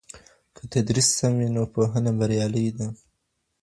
که تدریس سم وي نو پوهنه بریالۍ ده.